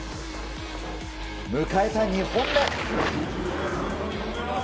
迎えた２本目。